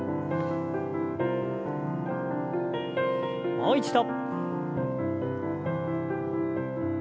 もう一度。